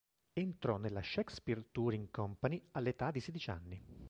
Entrò nella Shakespeare Touring Company all'età di sedici anni.